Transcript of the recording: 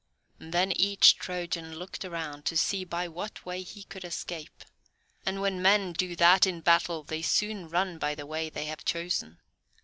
Then each Trojan looked round to see by what way he could escape, and when men do that in battle they soon run by the way they have chosen.